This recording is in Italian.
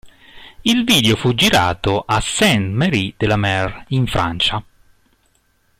Il video fu girato a Saintes-Maries-de-la-Mer, in Francia.